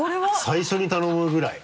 最初に頼むぐらい。